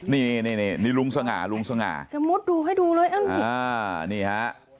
นี่นี่รุงสง่าโน้มมุดดูให้ดูเลยอ้าวนี้ฮะ